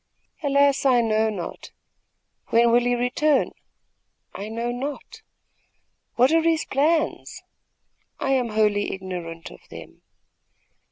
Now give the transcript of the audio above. "Alas, I know not." "When will he return?" "I know not." "What are his plans?" "I am wholly ignorant of them."